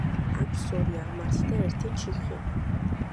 აქვს ორი აღმართი და ერთი ჩიხი.